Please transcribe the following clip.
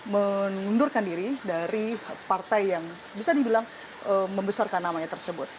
mengundurkan diri dari partai yang bisa dibilang membesarkan namanya tersebut